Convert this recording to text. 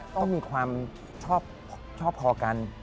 ก็มีความชอบพอกัน